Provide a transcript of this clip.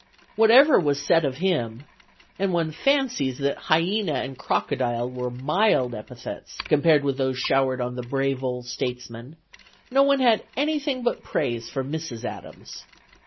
Whatever was said of him and one fancies that "hyena" and "crocodile" were mild epithets compared with those showered on the brave old statesman, no one had anything but praise for Mrs. Adams.